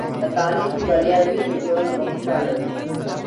که تعلیم کې بریا وي، نو ټولنه به خوشحاله وي.